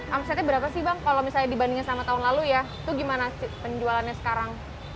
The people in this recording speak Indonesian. omsetnya berapa sih bang kalau misalnya dibandingkan sama tahun lalu ya itu gimana sih penjualannya sekarang